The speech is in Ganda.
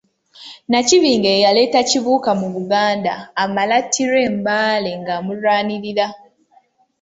Nnakibinge ye yaleeta Kibuka mu Buganda amale attirwe e Mbale ng'amulwanirira.